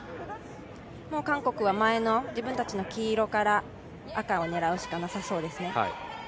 韓国は前の自分たちの黄色から赤を狙うしかなさそうです。